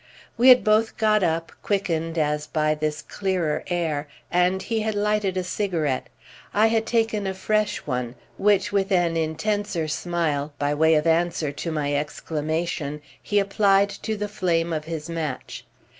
We had both got up, quickened as by this clearer air, and he had lighted a cigarette. I had taken a fresh one, which with an intenser smile, by way of answer to my exclamation, he applied to the flame of his match.